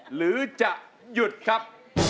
หรือจะหยุดครับ